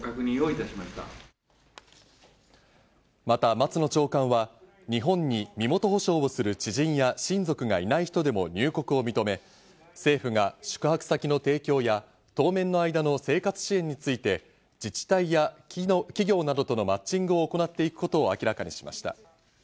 また松野長官は日本に身元保証をする知人や親族がいない人でも入国を認め、政府が宿泊先の提供や当面の間の生活支援について、自治体や企業などとのマッチングを行っていくことを明らかにしました。